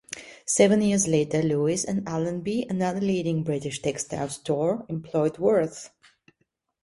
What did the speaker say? Seven years later, Lewis and Allenby, another leading British textiles store, employed Worth.